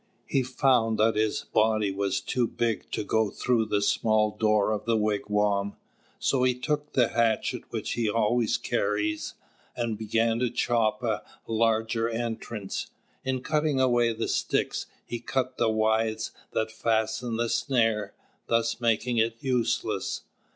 He found that his body was too big to go through the small door of the wigwam, so he took the hatchet which he always carries and began to chop a larger entrance. In cutting away the sticks, he cut the withes that fastened the snare, thus making it useless.